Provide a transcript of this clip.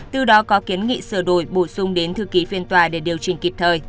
từ đó có kiến nghị sửa đổi bổ sung đến thư ký phiên tòa để điều chỉnh kịp thời